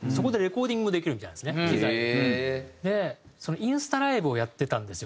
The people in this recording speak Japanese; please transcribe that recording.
インスタライブをやってたんですよ